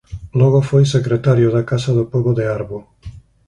Logo foi secretario da Casa do Pobo de Arbo.